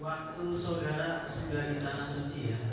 waktu saudara sudah di tanah suci